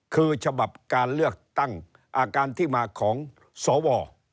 คือฉบับการเลือกตั้งอาการที่มาของสว